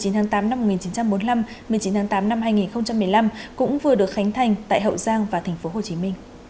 một mươi tháng tám năm một nghìn chín trăm bốn mươi năm một mươi chín tháng tám năm hai nghìn một mươi năm cũng vừa được khánh thành tại hậu giang và tp hcm